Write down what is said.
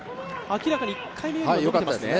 明らかに１回目よりは伸びていますね。